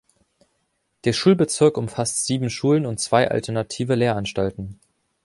Der Schulbezirk umfasst sieben Schulen und zwei alternative Lehranstalten.